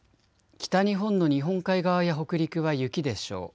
北日本の日本海側や北陸は雪でしょう。